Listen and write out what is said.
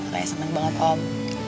raya seneng banget om